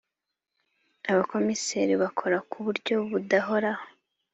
abakomiseri bakora ku buryo budahoraho.